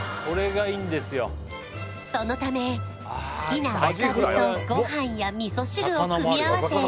そのため好きなおかずとご飯や味噌汁を組み合わせ